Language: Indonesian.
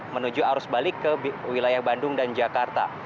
menuju arus balik ke wilayah bandung dan jakarta